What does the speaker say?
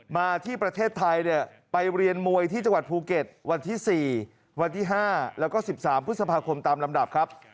มาที่ประเทศไทยเนี่ยไปเรียนมวยที่จังหวัดภูเก็ตวันที่๔วันที่๕แล้วก็๑๓พฤษภาคมตามลำดับครับ